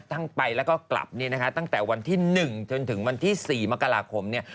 ทั้งไปแล้วก็กลับเนี่ยนะคะตั้งแต่วันที่๑จนถึงวันที่๔มกราคมเนี่ย